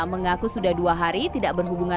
mengaku sudah dua hari tidak berhubungan